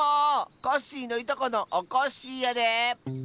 コッシーのいとこのおこっしぃやで。